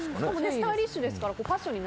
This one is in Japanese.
スタイリッシュですか？